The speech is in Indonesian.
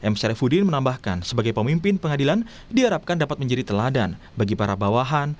m syarifudin menambahkan sebagai pemimpin pengadilan diharapkan dapat menjadi teladan bagi para bawahan